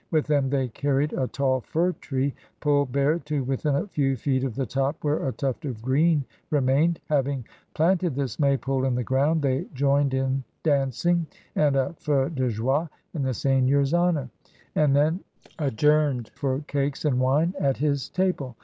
With them they carried a tall fir tree, pulled bare to within a few feet of the top where a tuft of green remained. Having planted this Maypole in the ground, they joined in dancing and a feu de joie in the seigneur's honor, and then adjourned for cakes and wine at his table.